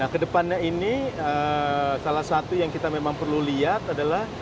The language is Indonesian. kedepannya ini salah satu yang kita memang perlu lihat adalah